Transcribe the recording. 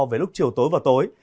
với lúc chiều tối và tối